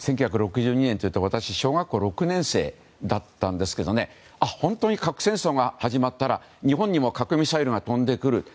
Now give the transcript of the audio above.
１９６２年というと私、小学校６年生だったんですが本当に核戦争が始まったら日本にも核ミサイルが飛んでくる。